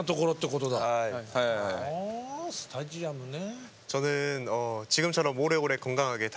ほぉスタジアムね。